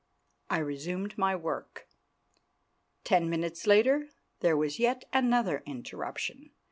I resumed my work. Ten minutes later there was yet another interruption.